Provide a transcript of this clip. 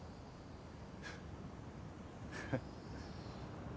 フッフフッ。